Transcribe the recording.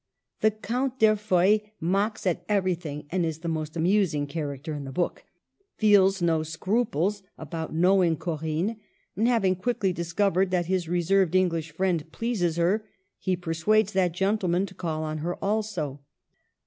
The Count D'Erfeuil mocks at every thing, and is the most amusing character in the book ; feels no scruples about knowing Corinne, and, having quickly discovered that his reserved English friend pleases her, he persuades that gentleman to call on her also.